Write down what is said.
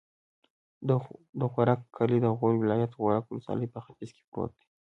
د غورک کلی د غور ولایت، غورک ولسوالي په ختیځ کې پروت دی.